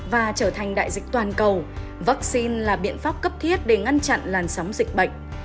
và trở thành đại dịch toàn cầu vaccine là biện pháp cấp thiết để ngăn chặn làn sóng dịch bệnh